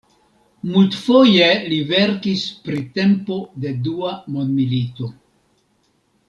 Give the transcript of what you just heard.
Multfoje li verkis pri tempo de Dua mondmilito.